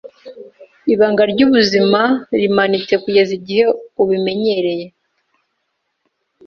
Ibanga ryubuzima rimanitse kugeza igihe ubimenyereye.